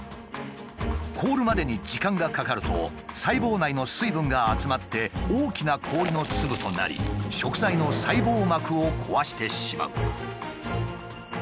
凍るまでに時間がかかると細胞内の水分が集まって大きな氷の粒となり食材の細胞膜を壊してしまう。